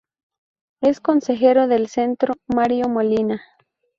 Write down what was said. Es consejero del Centro Mario Molina.